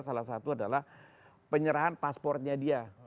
salah satu adalah penyerahan pasportnya dia